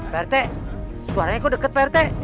pak rt suaranya kok deket pak rt